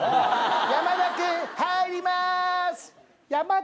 山田君入ります。